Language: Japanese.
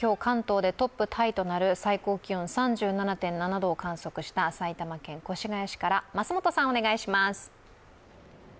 今日、関東でトップタイとなる最高気温３７．７度を観測した埼玉県越谷市から桝本さん、お願いします。